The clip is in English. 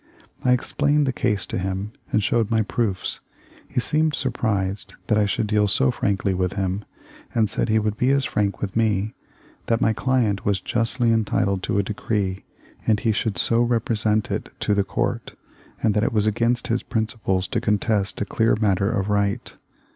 I explained the case to him, and showed my proofs. He seemed surprised that I should deal so frankly with him, and said he would be as frank with me ; that my client was justly entitled to a decree, and he should so repre sent it to the court; and that it was against his principles to contest a clear matter of right.